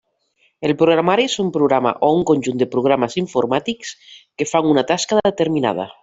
El programari és un programa o un conjunt de programes informàtics que fan una tasca determinada.